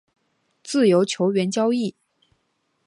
自由球员交易